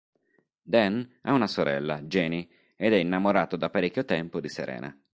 Dan ha una sorella, Jenny, ed è innamorato da parecchio tempo di Serena.